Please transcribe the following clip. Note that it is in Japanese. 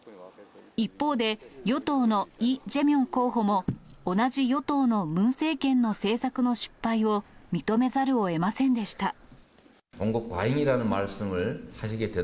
一方で、与党のイ・ジェミョン候補も、同じ与党のムン政権の政策の失敗を認めざるをえませんでした。